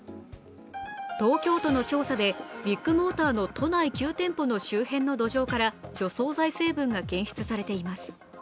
東京都の調査でビッグモーターの都内９店舗の周辺の土壌から除草剤成分が検出されています。